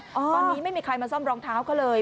ตอนนี้ไม่มีใครมาซ่อมรองเท้าเขาเลย